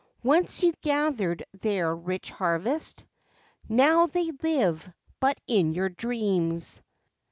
Once you gathered their rich harvest, Now they live but in your dreams.